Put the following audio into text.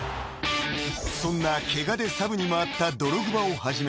［そんなケガでサブに回った］